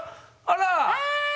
あら！